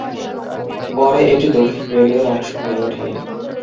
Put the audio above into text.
পরে, এটি দক্ষিণ রেলওয়ের অংশ হয়ে ওঠে।